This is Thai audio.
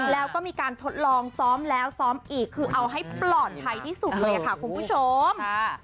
แล้วก็มีการทดลองซ้อมแล้วซ้อมอีกคือเอาให้ปลอดภัยที่สุดเลยค่ะคุณผู้ชม